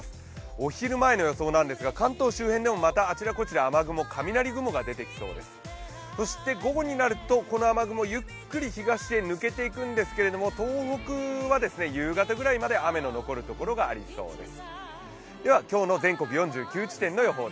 お昼前の予想なんですが、関東周辺でもまた、あちらこちら雷雲が出てきそうです、そして午後になるとこの雨雲、ゆっくり東へ抜けていくんですけど東北は夕方くらいまで雨の残るところがありそうです。